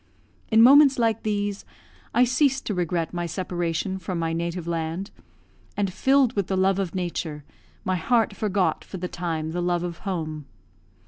In moments like these, I ceased to regret my separation from my native land; and, filled with the love of Nature, my heart forgot for the time the love of home.